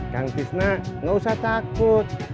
kang tisna gak usah takut